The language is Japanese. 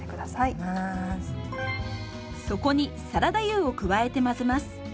そこにサラダ油を加えて混ぜます。